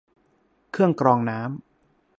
เครื่องกรองน้ำ